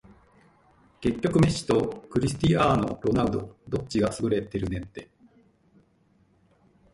結局メッシとクリスティアーノ・ロナウドどっちが優れてるねんて